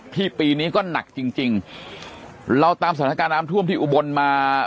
ปีนี้ก็หนักจริงจริงเราตามสถานการณ์น้ำท่วมที่อุบลมา